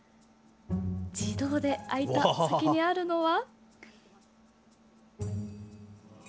自動で開いた先にあるのは。